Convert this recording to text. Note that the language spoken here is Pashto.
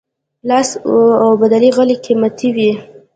لاس اوبدلي غالۍ قیمتي وي.